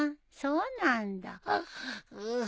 そうなんだ。